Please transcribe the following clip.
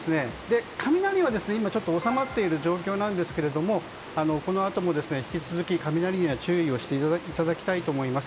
雷は今、収まっている状況なんですがこのあとも引き続き雷には注意していただきたいと思います。